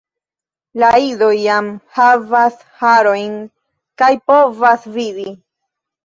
La idoj jam havas harojn kaj povas vidi.